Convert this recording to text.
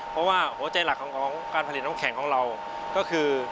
เพราะว่าหัวใจหลักของการผลิตน้ำแข็งของเราก็คือ